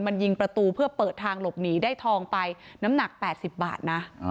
มันยิงประตูเพื่อเปิดทางหลบหนีได้ทองไปน้ำหนัก๘๐บาทนะ